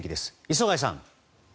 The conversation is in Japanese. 磯貝さん。